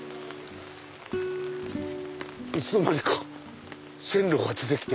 いつの間にか線路が出て来て。